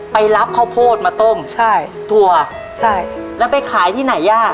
ไปรับข้าวโพดมาต้มใช่ถั่วใช่แล้วไปขายที่ไหนย่า